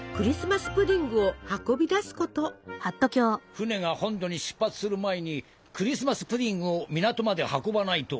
船が本土に出発する前にクリスマス・プディングを港まで運ばないと。